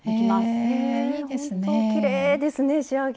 ほんときれいですね仕上げ。